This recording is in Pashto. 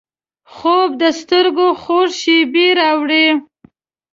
خوب د سترګو خوږې شیبې راوړي